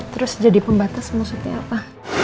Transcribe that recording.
terus jadi pembatas maksudnya apa